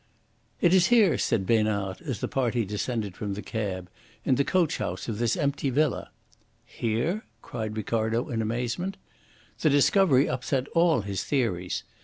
"It is here," said Besnard, as the party descended from the cab, "in the coach house of this empty villa." "Here?" cried Ricardo in amazement. The discovery upset all his theories.